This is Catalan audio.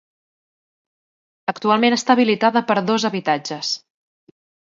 Actualment està habilitada per dos habitatges.